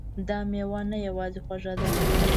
دا میوه نه یوازې خوږه ده